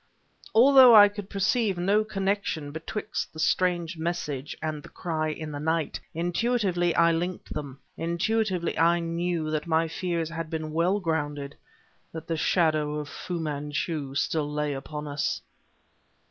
Although I could perceive no connection betwixt the strange message and the cry in the night, intuitively I linked them, intuitively I knew that my fears had been well grounded; that the shadow of Fu Manchu still lay upon us.